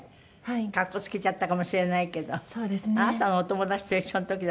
格好付けちゃったかもしれないけどあなたのお友達と一緒の時だったらね。